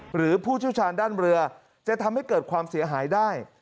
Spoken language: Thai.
ผู้เชี่ยวชาญด้านเรือจะทำให้เกิดความเสียหายได้